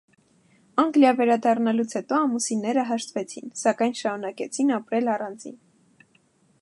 Անգլիա վերադառնալուց հետո ամուսինները հաշտվեցին, սակայն շարունակեցին ապրել առանձին։